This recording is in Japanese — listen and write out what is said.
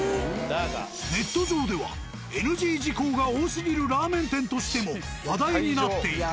ネット上ではＮＧ事項が多すぎるラーメン店としても話題になっている。